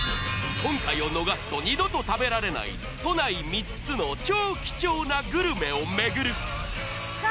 今回を逃すと二度と食べられない都内３つの超貴重なグルメを巡るさぁ